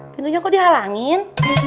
tentunya kok dihalangin